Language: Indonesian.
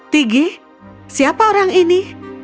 tigi siapa orang ini